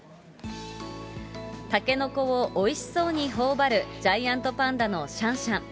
タケノコをおいしそうにほおばるジャイアントパンダのシャンシャン。